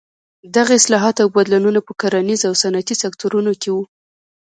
دغه اصلاحات او بدلونونه په کرنیز او صنعتي سکتورونو کې وو.